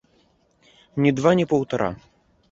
Ні два ні паўтара.